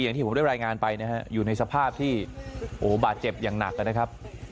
อย่างที่ผมได้รายงานไปนะฮะอยู่ในสภาพที่โอ้โหบาดเจ็บอย่างหนักนะครับ